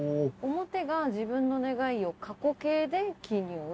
表が自分の願いを過去形で記入。